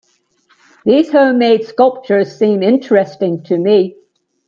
These home-made sculptures seem interesting to me.